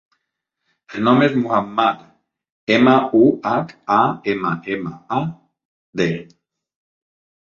El nom és Muhammad: ema, u, hac, a, ema, ema, a, de.